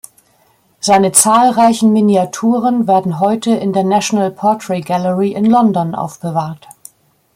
Seine zahlreichen Miniaturen werden heute in der National Portrait Gallery in London aufbewahrt.